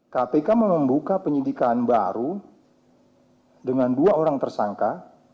kpk membuka penyidikan baru dengan dua orang tersangka